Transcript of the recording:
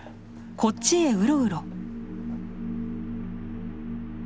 こっちへうろうろ。